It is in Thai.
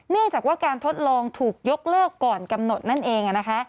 เนื่องจากว่าการทดลองถูกยกเลิกก่อนกำหนดนั่นเองนะคะ